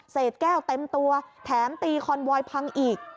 เศษแก้วเต็มตัวแถมตีคอนโวยด์พังอีก